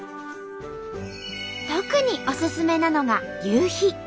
特におすすめなのが夕日。